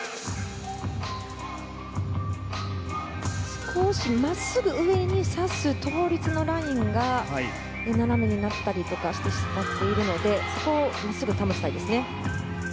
少し真っすぐ上に指す倒立のラインが斜めになったりしてしまっているのでそこを真っすぐに保ちたいですね。